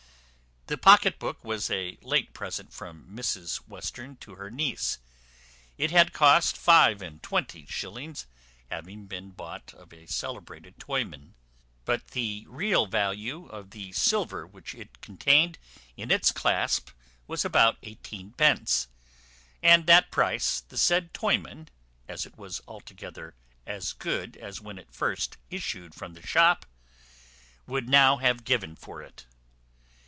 The pocket book was a late present from Mrs Western to her niece; it had cost five and twenty shillings, having been bought of a celebrated toyman; but the real value of the silver which it contained in its clasp was about eighteen pence; and that price the said toyman, as it was altogether as good as when it first issued from his shop, would now have given for it.